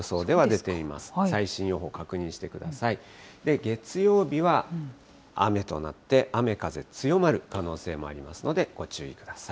で、月曜日は雨となって、雨風強まる可能性もありますのでご注意ください。